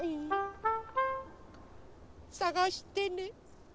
さがしてね。